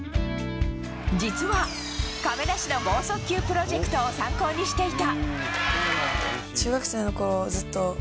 実は亀梨の豪速球プロジェクトを参考にしていた。